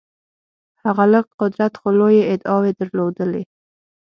هغه لږ قدرت خو لویې ادعاوې درلودلې.